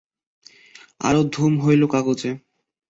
আরো ধুম হইল কাগজে।